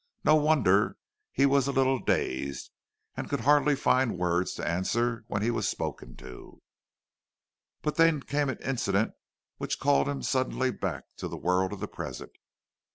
No wonder that he was a little dazed, and could hardly find words to answer when he was spoken to. But then came an incident which called him suddenly back to the world of the present.